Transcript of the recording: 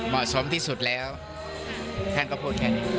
เหมาะสมที่สุดแล้วท่านก็พูดแค่นี้